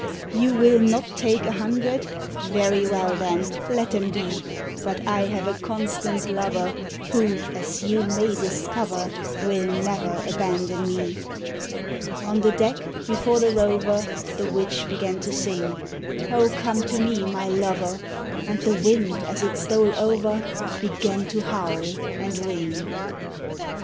"You will not take a hundred, Very well then, let them be! But I have a constant lover Who, as you may discover, Will never abandon me." On the deck, before the rover, The witch began to sing: "Oh come to me, my lover!" And the wind as it stole over Began to howl and ring.